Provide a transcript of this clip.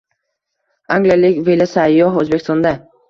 Angliyalik velosayyoh O‘zbekistonda